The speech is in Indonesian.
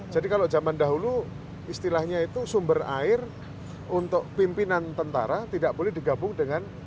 jadi kalau zaman dahulu istilahnya itu sumber air untuk pimpinan tentara tidak boleh digabung dengan orang biasa